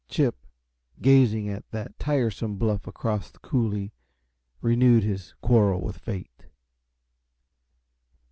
Chip, gazing at that tiresome bluff across the coulee, renewed his quarrel with fate.